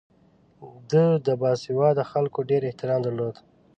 ده د باسواده خلکو ډېر احترام درلود.